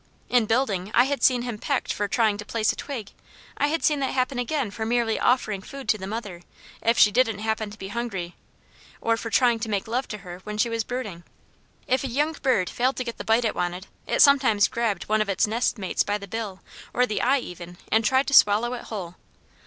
In building I had seen him pecked for trying to place a twig. I had seen that happen again for merely offering food to the mother, if she didn't happen to be hungry, or for trying to make love to her when she was brooding. If a young bird failed to get the bite it wanted, it sometimes grabbed one of its nestmates by the bill, or the eye even, and tried to swallow it whole.